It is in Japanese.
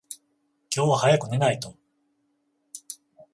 今日は早く寝ないと。